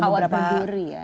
kawat berduri ya